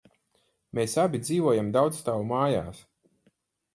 Mēs abi dzīvojām daudzstāvu mājās.